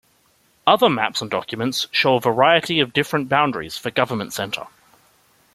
Other maps and documents show a variety of different boundaries for Government Center.